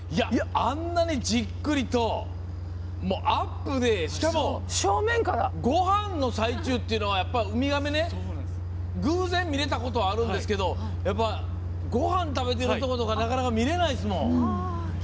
あんなにじっくりとアップで、しかもごはんの最中っていうのはやっぱりウミガメ、偶然見れたことはあるんですけどごはん食べてるとことかなかなか見られないですもん。